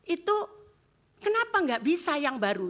itu kenapa nggak bisa yang baru